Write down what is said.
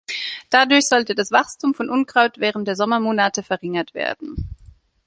Dadurch sollte das Wachstum von Unkraut während der Sommermonate verringert werden.